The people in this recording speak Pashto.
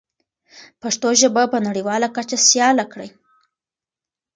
پښتو ژبه په نړیواله کچه سیاله کړئ.